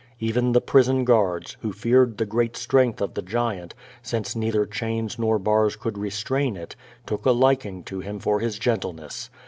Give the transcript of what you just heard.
Even the prison guards, who feared the great strength of the giant, since neither chains nor bars could restrain it, took a liking to him for his gentleness.